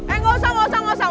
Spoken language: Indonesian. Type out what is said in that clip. eh gak usah gak usah gak usah